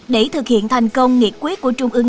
để thực hiện thành công nghiệt quyết của trung ương